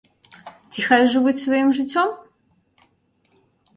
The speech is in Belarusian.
Ці хай жывуць сваім жыццём?